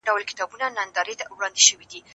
زه د ښوونځی لپاره تياری کړی دی!؟